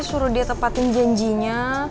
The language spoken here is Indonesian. suruh dia tepatin janjinya